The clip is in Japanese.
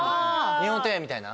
日本庭園みたいな？